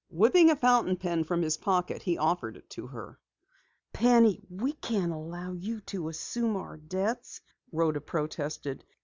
Whipping a fountain pen from his pocket, he offered it to her. "Penny, we can't allow you to assume our debts," Rhoda protested.